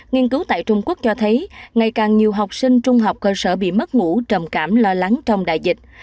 nghiên cứu tại trung quốc cho thấy ngày càng nhiều học sinh trung học cơ sở bị mất ngủ trầm cảm lo lắng trong đại dịch